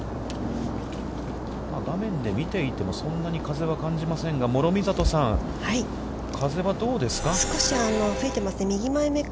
画面で見ていてもそんなに風は感じませんが、諸見里さん、風は、どうですか。